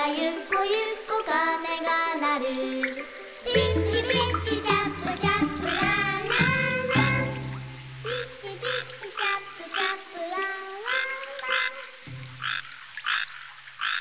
「ピッチピッチチャップピッチピッチチャップランラン」「ピッチピッチチャップチャップランランラン」